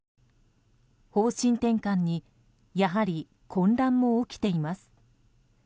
方針転換にやはり混乱も起きています。